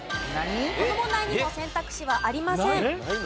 この問題にも選択肢はありません。